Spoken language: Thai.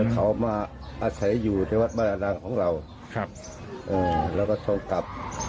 เขามาอาศัยอยู่ในวัดบรรดาของเราแล้วก็ส่งกลับ